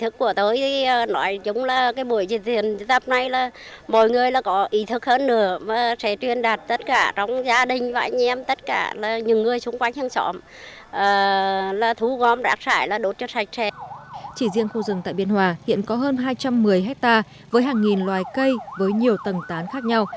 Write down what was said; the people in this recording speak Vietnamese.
chỉ riêng khu rừng tại biên hòa hiện có hơn hai trăm một mươi hectare với hàng nghìn loài cây với nhiều tầng tán khác nhau